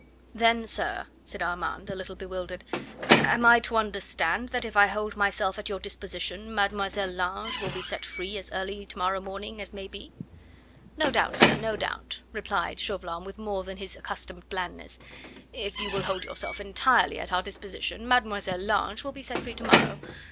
"Then, sir," said Armand, a little bewildered, "am I to understand that if I hold myself at your disposition Mademoiselle Lange will be set free as early to morrow morning as may be?" "No doubt, sir no doubt," replied Chauvelin with more than his accustomed blandness; "if you will hold yourself entirely at our disposition, Mademoiselle Lange will be set free to morrow.